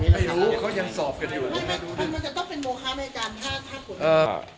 เพราะมันจะต้องเป็นโมคาร์เมาะการ๕ผล